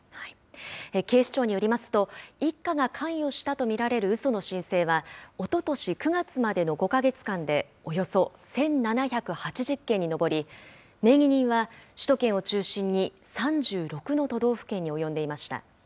警視庁によりますと、一家が関与したと見られるうその申請は、おととし９月までの５か月間で、およそ１７８０件に上り、名義人は首都圏を中心に３６の都道府県に及んでいました。